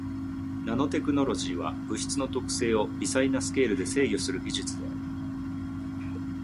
ナノテクノロジーは物質の特性を微細なスケールで制御する技術である。